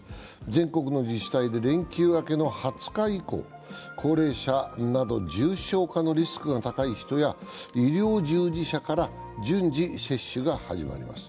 全国の自治体で連休明けの２０日以降、高齢者など重症化のリスクが高い人や医療従事者から順次接種が始まります。